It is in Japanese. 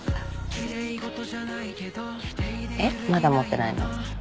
えっまだ持ってないの？